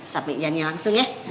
sampai iyannya langsung ya